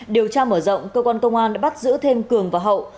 điều tra mở rộng cơ quan công an đã bắt giữ thêm cường và hậu